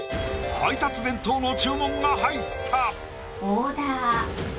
配達弁当の注文が入った！